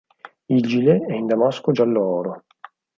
Il gilet è in damasco giallo oro.